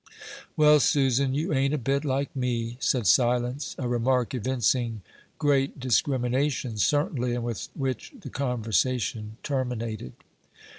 "Well, Susan, you ain't a bit like me," said Silence a remark evincing great discrimination, certainly, and with which the conversation terminated.